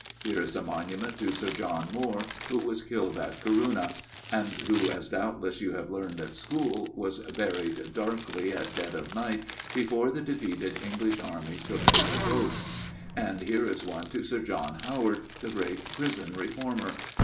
Here is a monument to Sir John Moore, who was killed at Corunna; and who, as doubtless you have learned at school, was 'buried darkly at dead of night,' before the defeated English army took to their boats. And here is one to Sir John Howard, the great prison reformer.